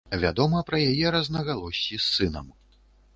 Вядома пра яе рознагалоссі з сынам.